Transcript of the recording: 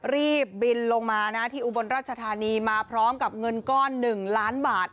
รีบบินลงมานะที่อุบลราชธานีมาพร้อมกับเงินก้อน๑ล้านบาท